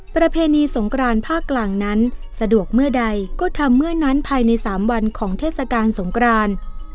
ประเพณีสงกรานภาคกลางนั้นสะดวกเมื่อใดก็ทำเมื่อนั้นภายใน๓วันของเทศกาลสงคราน